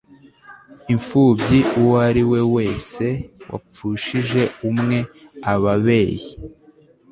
imfubyi uwo ari we wese wapfushije umwe ababeyi